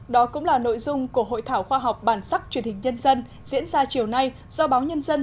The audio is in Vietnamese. đó cũng là nội dung của hội thảo khoa học bản sắc truyền hình nhân dân diễn ra chiều nay do báo nhân dân